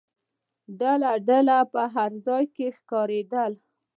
ډله ډله په هر ځای کې ښکارېدل.